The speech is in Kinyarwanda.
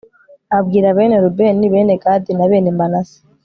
abwira bene rubeni, bene gadi na bene manase